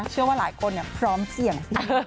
เชื่อว่าหลายคนพร้อมเสี่ยงสิ